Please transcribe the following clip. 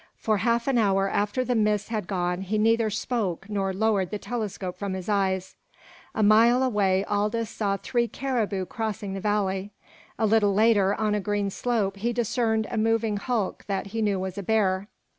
For half an hour after the mists had gone he neither spoke nor lowered the telescope from his eyes. A mile away Aldous saw three caribou crossing the valley. A little later, on a green slope, he discerned a moving hulk that he knew was a bear.